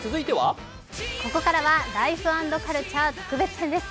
ここからは「ライフ＆カルチャー」特別編です。